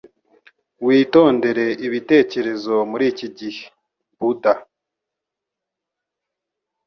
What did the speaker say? witondere ibitekerezo muri iki gihe.” - Budha